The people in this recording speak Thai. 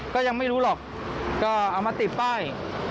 ก็ยังไม่รู้หรอกก็เอามาติดป้าย